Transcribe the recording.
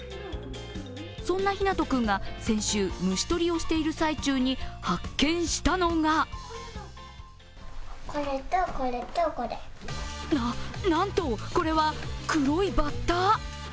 そんな陽南斗君が先週虫捕りをしている最中に発見したのがなっ、なんと、これは黒いバッタ？